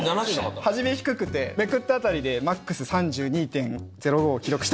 初め低くてめくったあたりでＭＡＸ３２．０５を記録したんです。